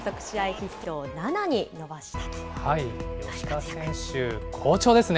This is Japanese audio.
ヒットを７に伸ばし吉田選手、好調ですね。